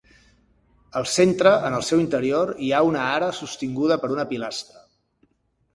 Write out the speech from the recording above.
Al centre, en el seu interior, hi ha una ara sostinguda per una pilastra.